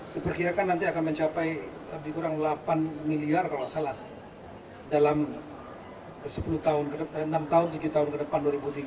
diperkirakan nanti akan mencapai lebih kurang delapan miliar kalau tidak salah dalam enam tahun tujuh tahun ke depan dua ribu tiga puluh